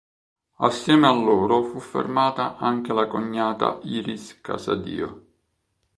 Assieme a loro fu fermata anche la cognata Iris Casadio.